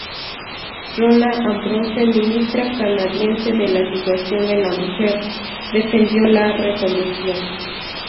Rona Ambrose, Ministra canadiense de la Situación de la Mujer, defendió la resolución.